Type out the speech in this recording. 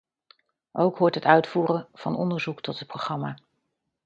Ook hoort het uitvoeren van onderzoek tot het programma.